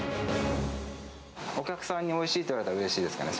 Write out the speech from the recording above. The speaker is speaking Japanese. お客さんにおいしいと言われたら、うれしいですかね。